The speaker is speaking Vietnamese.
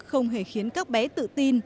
không hề khiến các bé tự tin